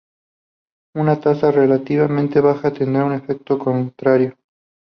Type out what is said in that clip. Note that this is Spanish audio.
Una tasa relativamente baja tendrá un efecto contrario.